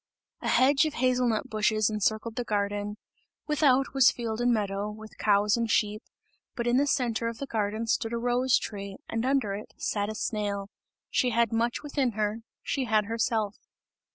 A hedge of hazel nut bushes encircled the garden; without was field and meadow, with cows and sheep; but in the centre of the garden stood a rose tree, and under it sat a snail she had much within her, she had herself.